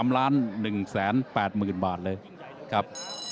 ๓ล้าน๑แสน๘หมื่นบาทเลยครับ